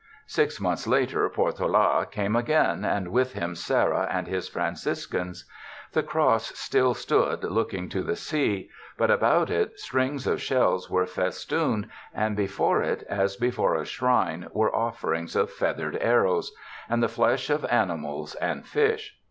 Six months later, Portohi came again, and with him Serra and his Franciscans. The cross still stood looking to the sea; but about it strings of shells were festooned, and before it, as before a shrine, were offerings of feathered arrows, and the flesh of animals and fish.